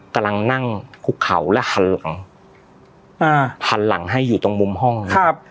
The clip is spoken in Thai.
กำลังนั่งคุกเขาและหันหลังอ่าหันหลังให้อยู่ตรงมุมห้องครับ